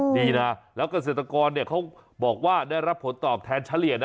ดีนะแล้วกันเศรษฐกรเนี่ยเขาบอกว่าได้รับผลตอบแทนเฉลี่ยนะ